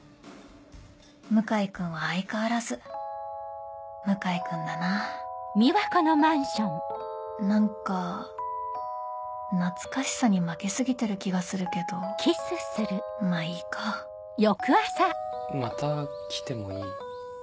向井君は相変わらず向井君だな何か懐かしさに負け過ぎてる気がするけどまぁいいかまた来てもいい？